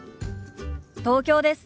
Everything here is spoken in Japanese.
東京です。